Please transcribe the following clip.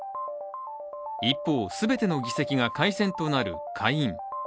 一方、全ての議席が改選となる下院。